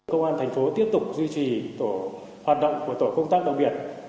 cảnh báo ngay sau đây